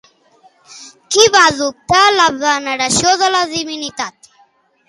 Qui va adoptar la veneració de la divinitat?